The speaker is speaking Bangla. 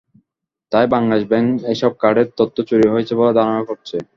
তাই বাংলাদেশ ব্যাংক এসব কার্ডের তথ্য চুরি হয়েছে বলে ধারণা করছে।